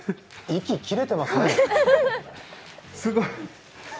息切れてますね。